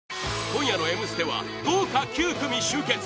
今夜の「Ｍステ」は豪華９組集結！